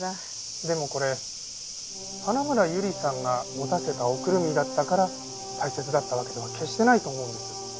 でもこれ花村友梨さんが持たせたおくるみだったから大切だったわけでは決してないと思うんです。